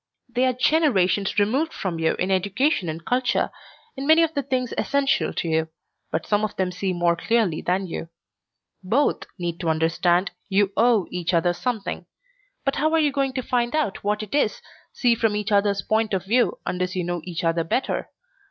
"They are generations removed from you in education and culture, in many of the things essential to you, but some of them see more clearly than you. Both need to understand you owe each other something. And how are you going to find out what it is, see from each other's point of view, unless you know each other better?